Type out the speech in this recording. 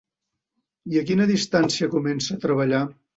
I a quina distància comença a treballar?